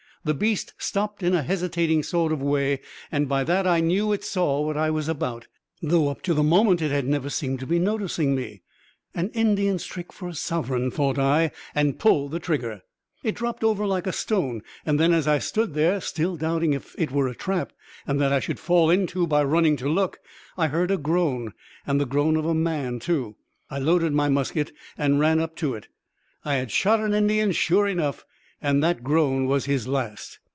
The beast stopped in a hesitating sort of way, and by that I knew it saw what I was about, though up to the moment it had never seemed to be noticing me. 'An Indian's trick, for a sovereign,' thought I, and pulled the trigger. "It dropped over like a stone; and then, as I stood there, still doubting if it were a trap that I should fall into by running to look, I heard a groan and the groan of a man, too. I loaded my musket and ran up to it. I had shot an Indian, sure enough, and that groan was his last.